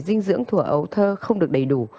dinh dưỡng thủa ấu thơ không được đầy đủ